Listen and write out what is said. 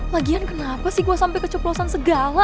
lagian kenapa sih gue sampe keceplosan segala